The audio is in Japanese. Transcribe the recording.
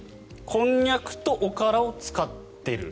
こんにゃくとおからを使っている。